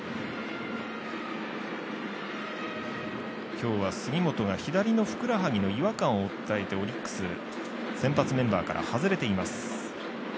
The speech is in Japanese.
今日は杉本が左のふくらはぎの違和感を訴えて、オリックス先発メンバーから外れています。